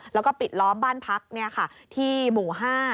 แล้วก็ปิดล้อมบ้านพักที่หมู่๕